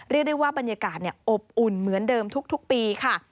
เรียกได้ว่าบรรยากาศอบอุ่นเหมือนเดิมทุกปีค่ะ